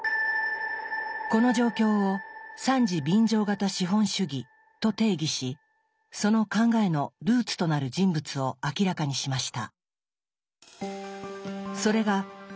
この状況を「惨事便乗型資本主義」と定義しその考えのルーツとなる人物を明らかにしました。